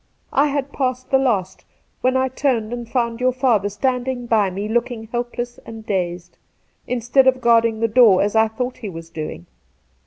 I had passed the last, when I turned and found your father standing by me looking helpless and dazed, instead of guarding the door, as I thought he was doing.